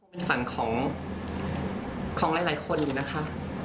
เป็นฝันของหลายคนอยู่นะคะ